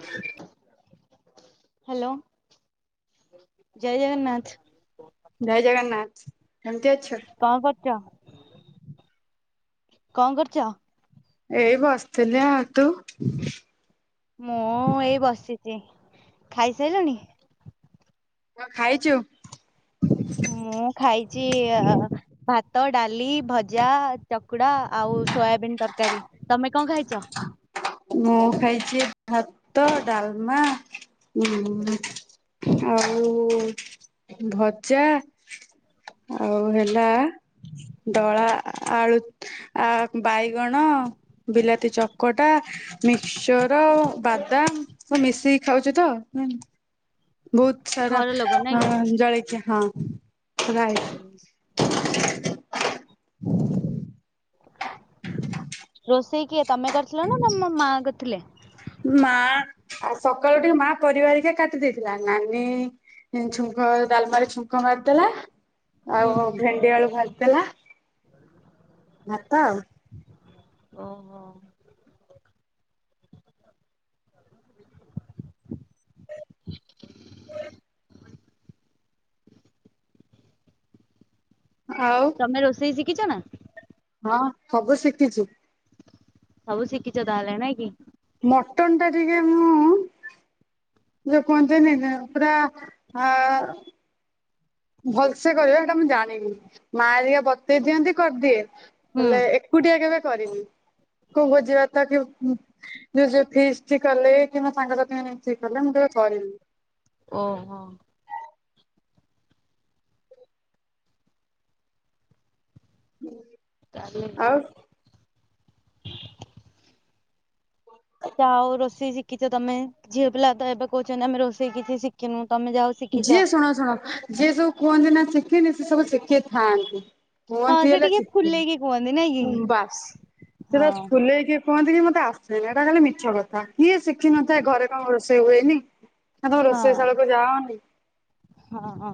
ହ ହ୍ୟାଲୋ ଜୟ ଜଗନ୍ନାଥ। ଜୟ ଜଗନ୍ନାଥ କେମିତି ଅଛୁ? କଣ କରଚ? କଣ କରୁଚ? ଏଇ ବସିଥିଲି, ଆଉ ତୁ? ଖାଇ ସାଇଲଣି? ହ ଖାଇଚୁ। ଯିଆ ଭାତ୍ ଭାତ, ଡାଲି, ଭଜା, ଚକୁଡା, ଆଉ ସୋୟାବିିନ ତରକାରୀ ତମେ କଣ ଖାଇଚ? ମୁଁ ଖାଇଚି ଭାତ ଡାଲମା। ହୁଁ ଆଉ ଭଜା। ଆଉ ହେଲା ଦଳା ଆଳୁ ବାଇଗଣ। ହ ବିଲାତି ଚକଟା। ମିକ୍ସିଚର ବାଦାମ ସବୁ ମିଶେଇ ଖାଉଚି ତ। ବୋହୁତ ସାରା ଘର ଲୋକ ନାଇଁ କି? ଜଳିଖିଆ ହଁ ପ୍ରାୟ। ରୋଷେଇ କିଏ ତମେ କରିଥିଲ ନା ତମ ମା କରିଥିଲେ? ମାଆ ସକାଳୁ ଟିକେ ମା ପରିବା ହରିକା କାଟି ଦେଇଥିଲା, ନାନୀ ଛୁଙ୍କ ଡାଲମାରି ଛୁଙ୍କ ମାରିଦେଲା। ହୁଁ। ଆଉ ଭେଣ୍ଡି ଆଳୁ ଭାଜି ଦେଲା ଭାତ ଆଉ। ଓହୋ। ତମେ ରୋଷେଇ ଶିଖିଚ ନା? ହଁ ହବୁ ଶିଖିଚି। ସବୁ ଶିଖିଚ ତାହେଲେ ନାଇଁ କି। ମଟନ ଟା ଟିକେ ମୁଁ ଯଉ କୁହନ୍ତିନିନା ପୁରା ଆ ଭଲସେ କହିବ ସେଇଟା ମୁଁ ଜାଣିନି, ମା ଘରିଆ ବତେଇ ଦିଅନ୍ତି କରିଦିଏ ହୁଁ। ହେଲେ ଏକୁଟିଆ କେବେ କରିନି। କୋଉ ଭୋଝି ଭାତ କି ଯୋଉ ଫିଷ୍ଟି କଲେ, କିମ୍ବା ସାଙ୍ଗସାଥି ଏଞ୍ଜୟ୍ କଲେ ମୁଁ କେବେ କରିନି। ଓ ହୋ। ହୁଁ। କାଲି ଭିଡି଼ଓ କରିବି। ଯା ହଉ ରୋଷେଇ ଶିଖିଛ ତମେ ଝିଅ ପିଲା ତ ଏବେ କହୁଛ ଆମେ ରୋଷେଇ କିଛି ଶିଖିନୁ। ତମେ ଯାହା ହଉ ଶିଖିଛ ଯିଏ ଶୁଣ ଶୁଣ ଯିଏ ସବୁ କୁହନ୍ତି, ନା ଶିଖିନି ସେ ସବୁ ଶିଖି ଥାନ୍ତି ହଁ କୁହନ୍ତି ସେ ହେଲେ ଟିକେ ଶିଖିନି, ଫୁଲେଇକି କୁହନ୍ତି ନାଇଁ କି? ବାସ୍ ସେଟା ହଁ ଫୁଲେଇକି କୁହନ୍ତି କି ମତେ ଆସେନି ଏଇଟା ଖାଲି ମିଛ କଥା କିଏ ଶିଖିନଥାଏ ଘରେ କଣ ରୋଷେଇ ହୁଏନି ନା ତମେ ରୋଷେଇ ହଁ। ସାଳାକୁ ଯାଅନି। ହଁ ହ।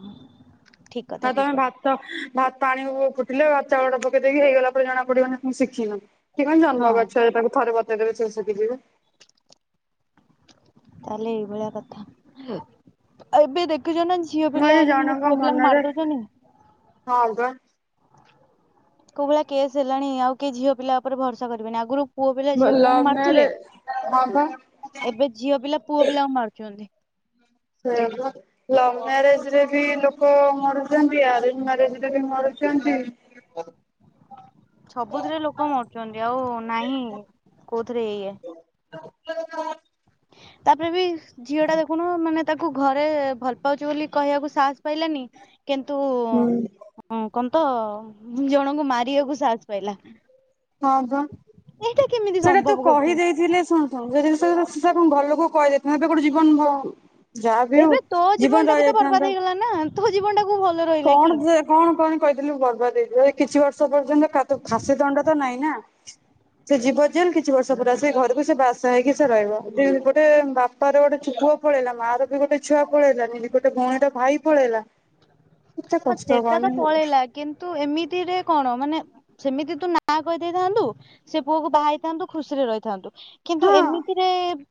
ହ ତମେ ଭାତ ଭାତ ପାଣି ଫୁଟିଲେ ଭାତ ଚାଉଳ ଟା ପକେଇ, ଦେଇକି ହେଇଗଲା ପରେ ଜଣା ପଡିବନ ମୁ ଶିଖିନ କି କଣ ଜନ୍ମ ହଁ। ଗଛ ତାକୁ ଥରେ ବତେଇ ଦେବେ ତାହେଲେ ଏଇଭଳିଆ କଥା ଏବେ ଦେଖ ଜ ନା ଝିଅ ମୁଁ ପିଲା ଆଜି କେମିତି ଜଣଙ୍କ ପୁଅ ପିଲାଙ୍କୁ ମନରେ ମାରିଦଉଛନି ହଁ ବା କୋଉ ଭଳିଆ କେସ୍ ହେଲାଣି ଆଉ କି ଝିଅ ପିଲା ଉପରେ ଭରସା କରିବେନି ଆଗରୁ ପୁଅ ପିଲା ଝିଅ ପିଲାଙ୍କୁ ଲଭ୍ ମାରୁଥିଲେ, ମ୍ୟାରେଜ ହଁ ବା। ଏବେ ଝିଅ ପିଲା ପୁଅ ପିଲାଙ୍କୁ ମାରୁଛନ୍ତି। ସେ ଲଭ ମ୍ୟାରେଜ ରେ ବି ଲୋକ ମରୁଛନ୍ତି, ଆରେଞ୍ଜ ମ୍ୟାରେଜ ରେ ବି ମରୁଛ ଛନ୍ତି। [inaudible] ସବୁଥିରେ ଲୋକ ମରୁଛନ୍ତି, ଆଉ ନାହିଁ କୋଉଥିରେ ଇଏ [inaudible] ତାପରେ ବି ଝିଅ ଟା ଦେଖୁନ ମାନେ ତା କୁ ଘରେ ଭଲ ପାଉଛି, ବୋଲି କହିବାକୁ ସାହସ ପାଇଲାନି କିନ୍ତୁ ହୁଁ। କଣ ତ ଜଣଙ୍କୁ ମାରିବାକୁ ସାହସ ପାଇଲା। ହଁ ବା ଏଇଟା କେମିତି ସେଇଟା ତ ସମ୍ଭବ କରୁଛି। କହିଦେଇଥିଲେ ଶୁଣୁ ଶୁଣୁ ଜିନିଷ ଏବଂ ଭଲ ଲୋକ କହିଦେଇ ଗୋଟେ ଜୀବନ ମୁଁ ଏବେ ତୋ ଜୀବନ ଟା ବି ତ ବର୍ବାଦ ହେଇଗଲା ନା ତୋ ଜୀବନଟା କଣ ଯେ କଣ କଣ କହିଥିଲି ଗର୍ବା କିଛି ବର୍ଷ ପର୍ଯ୍ୟନ୍ତ ଖାତ ଖାସି ଦଣ୍ଡ ତ ନାଇଁ ନା। ସେ ଯିବ ଜେଲ କି କିଛି ବର୍ଷ ପୁରା ସେ ଘରକୁ ସେ ବାସ ହେଇକି ସେ ରହିବ ଗୋଟେ ବାପାର ଗୋଟେ ଛୁଆ ପୁଅ ପଳେଇଲା ମା ର ବି ଗୋଟ ଛୁଆ ପଳେଇଲାନି ଗୋଟ ଭଣୀର ଭାଇ ପଳେଇଲା। ଏତେ କଷ୍ଟ ସେଟା ତ ହବନି ପଳେଇଲା କିନ୍ତୁ ଏମିତିରେ କଣ ମାନେ ସେମିତି ତୁ ନାଁ କହିଦେଇଥାନ୍ତୁ ସେ ପୁଅକୁ ବାହାହେଇଥାନ୍ତୁ ଖୁସିରେ ରହିଥାନ୍ତୁ। କିନ୍ତୁ ହଁ ଏମିତିରେ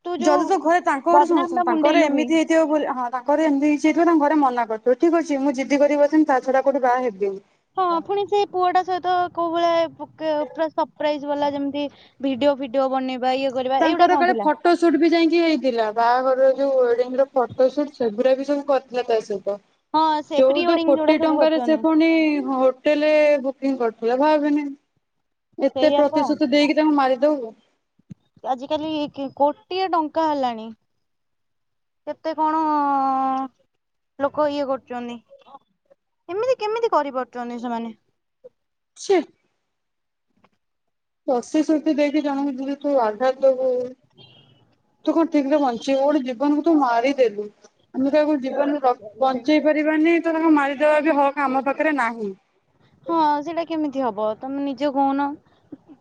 ତୁ ଯୋଉ ଯଦି ତୋ ଘରେ ତାଙ୍କ ଘରେ ଶୁଣୁ ବଦନାମ ଶୁଣୁ ଟା ତାଙ୍କ ଘରେ ମୁଣ୍ଡେଇଲୁ ବି ଏମିତି ହେଇଥିବ ବୋଲି ହଁ ତାଙ୍କ ଘରେ ଏମିତି କିଛି ହେଇ ଥିବ ତାଙ୍କ ଘରେ ମନା କରୁଥିବେ, ଠିକ ଅଛି ମୁଁ ଜିଦି କରିବି ପଛେ ତା ଛଡା କୋଉଠେ ବାହା ହେବିନି। ହଁ ପୁଣି ସେଇ ପୁଅ ଟା ସହିତ କୋଉ ଭଳିଆ ପ ପୁରା ସରପ୍ରାଇଜ କଲା ଯେମିତି ଭିଡିଓ ଭିଡିଓ ବନେଇ ତାଙ୍କର କାଳେ ଫଟୋ ସୁଟ ବି ଯାଇକି ହେଇଥିଲା, ବାହାଘରର ଯୋଉ ୱେଡିଙ୍ଗ ର ଫଟୋ ସୁଟ ସେଗୁରା ବି ସବୁ କଥିଲା ତା ସହିତ ହଁ ସେ ପ୍ରି ଚଉଦ ୱେଡିଙ୍ଗ ଯୋଉଟା କୋଟି ସବୁ ଟଙ୍କାରେ ସେ କରୁଛନ୍ତି। ପୁଣି ହୋଟେଲ ବୋକିଙ୍ଗ କରୁଥିଲା, ଭାବିନି ଏତେ ପ୍ରତିଶତ ଦେଇକି ତାଙ୍କୁ ମାର ଦଉଛ। ଆଜି କାଲି କି କୋଟିଏ ଟଙ୍କା ହେଲାଣି କେତେ କଣ ଲୋକ ଇଏ କରୁଛନ୍ତି। ଏମିତି କେମିତି କରିପାରୁଛନ୍ତି ସେମାନେ ଛି। ପ୍ରସିଶୃତି ଦେଇକି ଜଣକୁ ଦୁରେ ତୁ ଆଘାତ ଦବୁ ତୁ କଣ ଠିକରେ ବଞ୍ଚିବୁ ଗୋଟେ ଜୀବନକୁ ତୁ ମାରିେଦେଲୁ। ଆମେ କାହାକୁ ଜୀବନରେର ବଞ୍ଚେଇ ପାରିବାନି ତ ତାକୁ ମାରି ଦବା ବି ହକ ଆମ ପାଖରେ ନାହିଁ। ହଁ ସେଇଟା କେମିତି ହବ ତମେ ନିଯେ କହୁନ।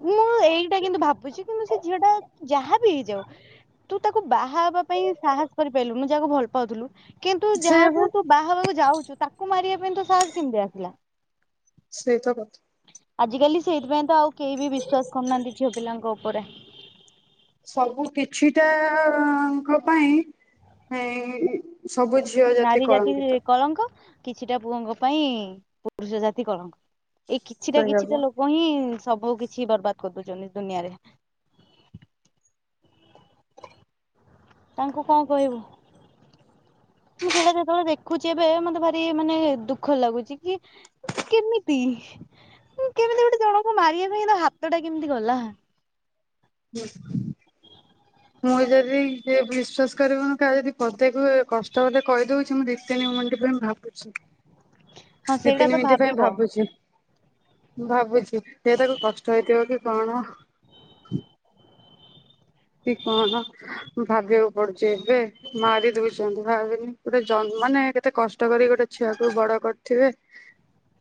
ମୁଁ ଏଇଟା କିନ୍ତୁ ଭାବୁଚି କିନ୍ତୁ ସେ ଝିଅ ଟା ଯାହା ବିି ହେଇଯାଉ ତୁ ତାକୁ ବାହା ହବା ପାଇଁ ସାହସ କରିପାଇଲୁନୁ ଯାହାକୁ ଭଲ ପାଉଥିଲୁ କିନ୍ତୁ ସେୟା ଯାହାକୁ ତୁ ବାହା ହେବାକୁ ଯାଉଚୁ ତାକୁ ମାରିବା ପାଇଁ ତୁ ସାହସ କେମିତି ଆସିଲା। ସେ ତ କଥା। ଆଜିକାଲି ସେଇଥିପାଇଁ ତ ଆଉ କେହି ବି ବିଶ୍ୱାସ କରୁନାହାନ୍ତି ଝିଅ ପିଲାଙ୍କ ଉପରେ। ସବୁ କିଛିଟାଙ୍କ ପାଇଁ ଏଁ ସବୁ ଝିଅ ନାରୀ ଜାତି କଳଙ୍କିତ। କଳଙ୍କ କିଛିଟା ପୁଅଙ୍କ ପାଇଁ ପୁରୁଷ ଜାତି କଳଙ୍କ ଏଇ କିଛିଟା କହିହବ। କିଛିଟା ଲୋକ ହିଁ ସବୁ କିଛି ବର୍ବାଦ କରିଦଉଛନ୍ତି ଦୁନିଆରେ। ତାଙ୍କୁ କଣ କହିବୁ। ମୁଁ ସେଇଟା ଯେତେବେଳେ ଦେଖୁଚି ଏବେ ମତେ ଭାରି ମାନେ ଦୁଃଖ ଲାଗୁଚି କି କିମିତି କେମିତି ଗୋଟେ ଜଣଙ୍କୁ ମାରିବା ପାଇଁ ତ ହାତଟା କେମିତି ଗଲା। ହୁଁ। ମୁଁ ଯଦି ଏ ବିଶ୍ଵାସ କରିବୁନି କାହାକୁ ଯଦି ପଦେ କୁହେ କଷ୍ଟ ଯଦି କହିଦଉଚି ମୁଁ ଦି ତିନି ମିଣ୍ଟି ହେଲେ ଭାବୁଚି ହଁ ଦି ସେଇଟା ତିନି ତ ମିନଟ ପାଇଁ ଭାବିବ ଭାବୁଚି। ଭାବୁଚି ସେ ତାକୁ କଷ୍ଟ ହେଇଥିବ କି କଣ। କି କଣ ଭାବିବାକୁ ପଡୁଛି ଏବେ ମାରି ଦଉଛନ୍ତି ଭାବିନି ଗୋଟେ ଜ ମାନେ କେତେ କଷ୍ଟ କରି ଗୋଟେ ଛୁଆକୁ ବଡ କରିଥିବେ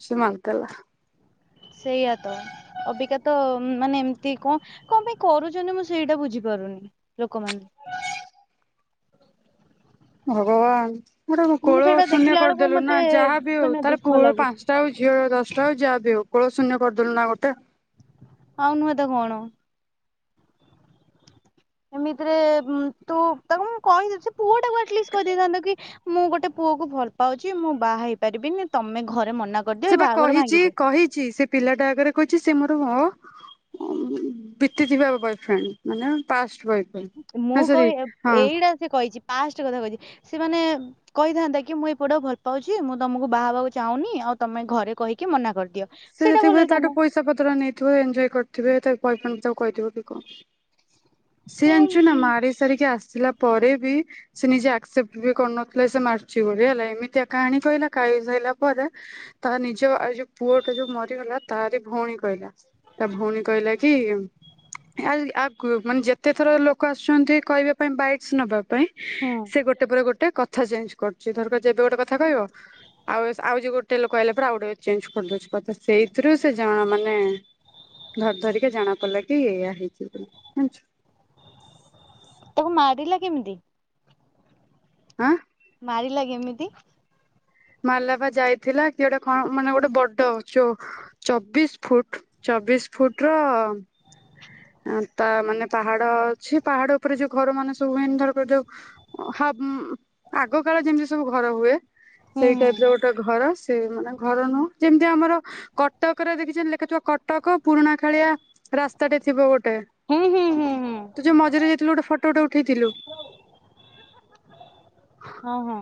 ସେ ମାନିଦେଲା। ସେଇଆା ତ ଅବିକା ତ ମାନେ ଏମିତି ଙ୍କ କଣ ପାଇଁ କରୁଚନ୍ତି ମୁଁ ସେଇଟା ବୁଝିପା ରୁନି ଲୋକମାନେ। ହଗବାନ୍‌। ମୋଟା ମୁଁ କୋଳ ସେଇଟା ଶୂନ୍ୟ ଦେଖିଲା ବେଳକୁ କରିଦେଲୁ ନା ମତେ ଯାହାବି ହଉ ମାନେ ତାର ଦୁଃଖ ପୁଅ ଲାଗୁଛି ପାଞ୍ଚଟା ଆଉ ଝିଅର ଦଶ ଟା ହଉ ଯାହା ବି ଆଉ କୋଳ ଶୂନ୍ୟ କରିଦେଲୁ ନା ଗୋଟେ। ଆଉନୁହଁ ତ କଣ। ଏମିତିରେ ତୁ ତାକୁ ମୁଁ କହିଉଛି ସେ ପୁଅଟାକୁ ଅଟଲିଷ୍ଟି କହିଦେଇଥାନ୍ନ୍ତା କି ମୁଁ ଗୋଟେ ପୁଅ କୁ ଭଲ ପାଉଛି ମୁଁ ବାହା ହେଇ ପାରିବିନି ତମେ ଘରେ ମନା କରିଦିଅ ଏଇ ସେ ବା ବାହାଘର କହିଛି ଭାଙ୍ଗିଦିଅ। କହିଛି ସେ ପିଲାଟା ଆଗରେ କହିଛି ସେ ମତ ମୋ ବିତିଥିବା ବୟଫ୍ରେଣ୍ଡ ମାନେ ପାଷ୍ଟ ବୟଫ୍ରେଣ୍ଡ ନା ମୁଁ ସରି କହି ହଁ ଏଇଟା ସେ କହିଛି ପାଷ୍ଟ କଥା କହିଛି। ସେମାନେ କହିଥାନ୍ତା କି ମୁଁ ଏପୁଅଟାକୁ ଭଲ ପାଉଛି ମୁଁ ତମକୁ ବାହା ହେବାକୁ ଚାହୁଁନି ଆଉ ତମେ ଘରେ କହିକି ମନା କରିଦିଅ। ସେ ସେଇଟା ଭଲ ଯେତିକବେଳେ ତାଠୁ ହେଇଥାନ୍ତା ପଇସା ପତ୍ର ନେଇଥିବ ଏନ୍ଜୟ କରିଥିବେ ତା ପଇପନ୍‌ ତାକୁ କହିଥିବ କି କଣ ସିଏ ଜଣିଛୁ ନା ମାରିସାରିକି ସାରିକି ଆସ ଆସିଲା ପରେ ବି ସେ ନିଜେ ଆକ୍ସେପ୍ଟ ବି କରୁନଥିଲା ସେ ମାରିଚି ବୋଲି ହେଲା ଏମିତିଆ କାହାଣୀ କହିଲା କା ଏଇ ସାଇଲା ପରେ ତା ନିଜ ଆଇଯୋଉ ପୁଅ ସେ ଯୋଉ ମରିଗଲା ତାରି ଭଉଣୀ କହିଲା ତା ଭଉଣୀ କହିଲା କି [unintelligible] ମାନେ ଯେତେ ଥର ଲୋକ ଆସୁଚନ୍ତି କହିବା ପାଇଁ ବାଇକ୍ସ ନବା ପାଇଁ ହୁଁ ସେ ଗୋଟେ ପରେ ଗୋଟେ କ ଥା ଚେଞ୍ଜ କରୁଚି ଧରକାର ଯେବେ ଗୋଟେ କଥା କହିବ ଆଉ ସେ ଆଉ ଯେ ଗୋଟେ ଲୋକ କହିଲା ପରେ ଆଉ ଗୋଟେ ଚେଞ୍ଜ କରିଦେଉଚି। କଥା ସେଇଥିର ସେ ଜଣ ମାନେ ଧର ଧରିକି ଜାଣା ପଡିଲା କି ଏଇଆ ହେଇଛି ବୋଲି ଜଣିଚୁ। ତାକୁ ମାରିଲା କେମିତି। ହାଁ। ମାରିଲା କେମିତି? ମାଲାପ ଯାଇଥିଲା କି ଗୋଟେ ମାନେ ଗୋଟେ ବଡ ଚବିଶ ଫୁଟ। ଚବିଶ ଫୁଟ ର ତା ମାନେ ପାହାଡ ଅଛି ପାହାଡ ଉପରେ ଯୋଉ ଘର ମାନେ ସବୁ ଏନର ଯୋଉ। ଉଁ ଆଗ କାଳ ଯେମିତି ସବୁ ଘର ହୁଏ ହୁଁ ସେଇ ହୁଁ ଟାଇପ ର ଗୋଟେ ଘରଅଛି। ସେ ମାନେ ଘର ନୁହଁ ଯେମିତି ଆମର କଟକରେ ଦେଖିମତି ଲେଖୁଥିବା କଟକ ପୁରୁଣା ଖାଳିଆ ରାସ୍ତା ଟେ ହୁଁ ହୁଁ ହୁଁ ହୁଁ ତୁ ଯୋଉ ମଝିରେ ଯାଇଥିଲୁ ଗୋଟେ ଫଟୋ ଗୋଟେ ଉଠେଇଥିଲୁ ହଁ ହଁ।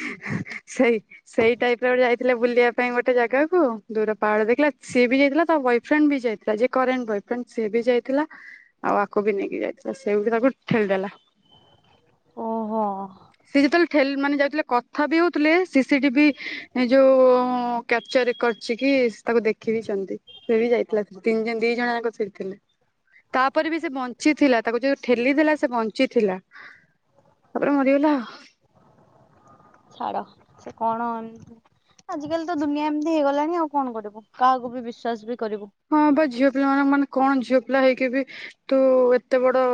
ହଁ। ସେଇ ସେଇ ଟାଇପ ରେ ଗୋଟେ ଯାଇଥିଲା ବୁଲିବା ପାଇଁ ଗୋଟେ ଜାଗାକୁ ଦୂର ପାହାଡ ଦେଖିଲା ସିଏ ବି ଯାଇଥିଲା ତ ବୟଫ୍ରେଣ୍ଡ ବି ଯାଇଥିଲା ଯ କରେ ବୟଫ୍ରେଣ୍ଡ ସି ବି ଯାଇଥିଲା ଆଉ ଆଗକୁ ବି ନେଇକି ଯାଇଥିଲା ସେ ତାକୁ ଠେଲିଦେଲା। [unintelligible] [inaudible] ଓହୋ। ସେ ଯେତେବେଳେ ଠେ ମାନେ ଯାଉଥିଲା। କଥା ବି ହଉଥିଲେ ସିସିଟିଭି ଯୋଉ କ୍ୟାପଚର କରିଛି କି ତାକୁ ଦେଖିକ ସେ ବି ଯାଇଥିଲା ତିନି ଦି ଜଣ ଯାକ ସେଠିଥିଲେ। ତାପରେ ବି ସେ ବଞ୍ଚିଥିଲା ତାକୁ ଯୋଉ ଠେଲିଥିଲା ସେ ବଞ୍ଚିଥିଲା। ତା ପରେ ମରିଗଲା ଆଉ। ଛାଡ ସେ କଣ ଆଜିକାଲି ତ ଦୁନିଆ ଏମିତି ହେଇଗଲାଣି ଆଉ କଣ କରିବ କାହାକୁ ବିଶ୍ୱାସ ବି କରିବୁ। ହଁ ବା ଝିଅ ପିଲା ମାନ ମାନେ କଣ ଝିଅ ପିଲା ହେଇକି ବି ତୁ ଏତେ ବଡ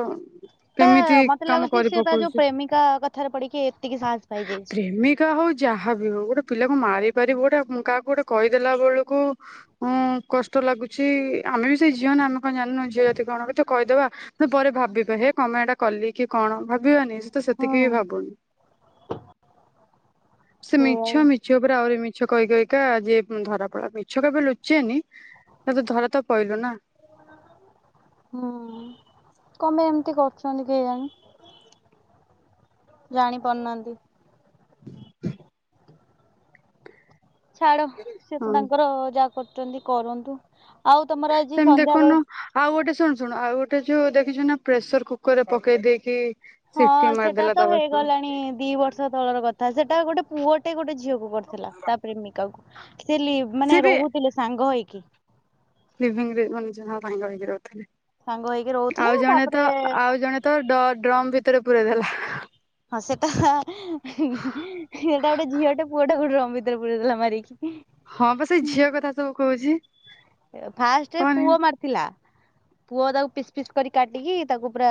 ତା କେମିତି ମତେ କାମ ଲାଗୁଛି କରି ସେ ତା ଯୋଉ ପକଉଚୁ। ପ୍ରେମିକା କଥାରେ ପଡିକି ଏତିକି ସାହସ ପାଇଯାଇଛି। ପ୍ରେମିକା ହଉ ଯାହାବ ହଉ ଗୋଟେ ପିଲା। ହଁ ମାରିପାରିବୁ ଗୋଟେ କାହାକୁ ଗୋଟେ କହିଦେଲା ବେଳକୁଁ କଷ୍ଟ ଲାଗୁଛି ଆମେ ସେ ଝିଅ ନା ଆମେ କଣ ଜାଣିନୁ ଝିଅ ଯଦି କଣ ତେ କହିଦେବା ତୁ ପରେ ଭାବିବ ହେ କଣ ପାଇଁ ଏଟା କଲି କି କଣ। ଭାବିବାନି ସେ ତ ସେତିକି ବି ଭାବୁନି। ସେ ସେଇଆ। ମିଛ ମିଛ ଉପରେ ଆହୁରି ମିଛ କହିକହିକା ଯିଏ ଧରା ପଡା ମିଛ କେବେ ଲୁଚେନି। ହେଲେ ଧରା ତ ପାଇଲୁ ନା। ହୁଁ କଣ ଏମିତି କରୁଛନ୍ତି କେଜାଣି ଜାଣି ଜାଣି ପାରୁନାହାନ୍ତି। ଛାଡ ସେ ହଁ। ତାଙ୍କର ଯାହା କରୁଛନ୍ତି କରନ୍ତୁ। ଆଉ ତମର ଆଜି ସେମିତି ସନ୍ଧ୍ୟାବେଳେ ଦେଖୁନୁ ଆଉ ଗୋଟେ ଶୁଣୁ ଶୁଣୁ ଆଉ ଗୋଟେ ଯୋଉ ଦେଖ ଛୁ ନା ପ୍ରେସର କୁକର ରେ ପକେଇ ଦେଇେଇକି ହଁ ସେଟା ତ ହେଇଗଲାଣି ଦି ବର୍ଷ ତଳର କଥା ସେଟା ଗୋଟେ ପୁଅଟେ ଗୋଟେ ଝିଅକୁ ପଡିଥିଲା ତା ପ୍ରେମିକା କ ସେ ମାନେ ରହୁଥିଲେ ସାଙ୍ଗ ହେଇକି ଲଭିଙ୍ଗରେ ମାନେ ଜନ ଭାଙ୍ଗରଥିଲା। ସାଙ୍ଗ ହେଇକି ରହୁଥିଲେ ଆଉ ଜଣେ ତାପରେ ତ ଆଉ ଜଣେ ତ ଡ ଡ୍ରମ ଭିତରେ ପୁରେଇ ଦେଲା। ହଁ ସେଟା ସେଟା ଗୋଟେ ଝିଅଟେ ପୁଅଟାକୁ ଡ୍ରମ ଭିତରେ ପୂରେଇଦେଲା ଦେଲା ମାରିକି। ହଁ ବା ସେ ଏଇ ଝିଅ କଥା ସବୁ କହୁଛି। ଫାଷ୍ଟ କହନି ପୁଅ ମାରିଥିଲା। ପୁଅ ତାକୁ ପିସ୍ ପିସ୍ କରି କାଟିକି ତାକୁ ପୁରା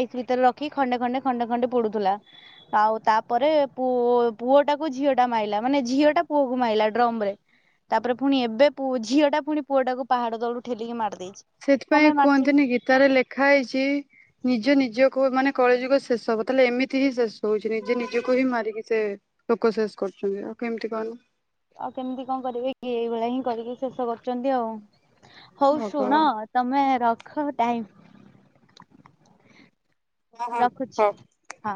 ଆଇସ୍ ଭିତରେ ରଖି ଖଣ୍ଡେ ଖଣ୍ଡେ ଖଣ୍ଡେ ଖଣ୍ଡେ ପୋଡୁଥିଲା। ଆଉ ତାପରେଅ ପୁଅ ଟାକୁ ଝିଅ ଟା ମଇଲା ମାନେ ଝିଅ ଟା ପୁଅକୁ ମାଇଲା। ଡ୍ରମ ରେ ତାପରେ ପୁଣି ଏବେ ପଅ ଝିଅ ଟା ପୁଣି ପୁଅ ଟାକୁ ପାହାଡ ତଳକୁ ଠେଲିକି ମାରିଦେଇଛି। କଣ ସେଥିପାଇଁ ପାଇଁ ମାରିଛି? କୁହନ୍ତିନି ଗୀତାରେ ଲେଖା ହେଇଛି ନିଜ ନିଜ ମାନେ କଳି ଯୁଗ ଶେଷ ହବ ତାହେଲେମିତି ହିଁ ଶେଷ ହଉଛି ନିଜେ ନିଜକୁ ହିଁ ମାରିକି ସେ ଲୋକ ଶେଷ କରୁ ଆଛନ୍ତି ଆଉ କେମିତି କଣ? ଆଉ କେମିତି କଣ କରିବେ କି ଏଇଭଳିଆ ହିଁ କରିକି ଶେଷ କରୁଛନ୍ତି ଆଉ। ହଉ ଶୁଣ ଭଗବାନ ତମେ ରଖ ଟାଇମ ହଁ ହଁ ହଉ। ରଖୁଛି ହଁ।